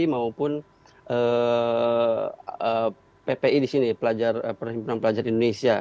maupun ppi di sini perhimpunan pelajar indonesia